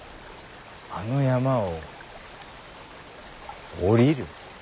あの山を下りる。